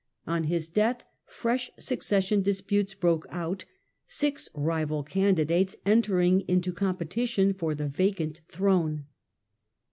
On his death, fresh succession disputes broke out, six rival candidates entering into competition for the vacant throne.